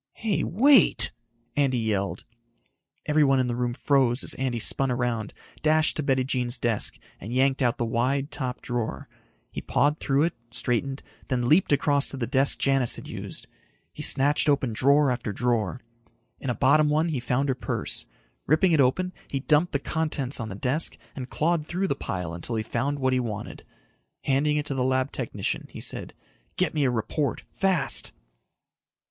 "Hey, wait!" Andy yelled. Everyone in the room froze as Andy spun around, dashed to Bettijean's desk and yanked out the wide, top drawer. He pawed through it, straightened, then leaped across to the desk Janis had used. He snatched open drawer after drawer. In a bottom one he found her purse. Ripping it open, he dumped the contents on the desk and clawed through the pile until he found what he wanted. Handing it to the lab technician, he said, "Get me a report. Fast."